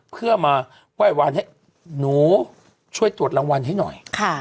เพื่อมาไหว้วานให้หนูช่วยตรวจรางวัลให้หน่อย